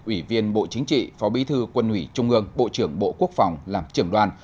ủy viên bộ chính trị phó bí thư quân ủy trung ương bộ trưởng bộ quốc phòng làm trưởng đoàn